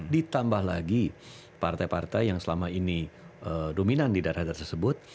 ditambah lagi partai partai yang selama ini dominan di daerah tersebut